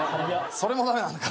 それも駄目なのか。